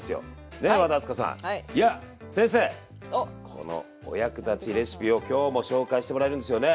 このお役立ちレシピを今日も紹介してもらえるんですよね？